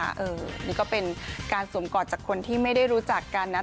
อันนี้ก็เป็นการสวมกอดจากคนที่ไม่ได้รู้จักกันนะ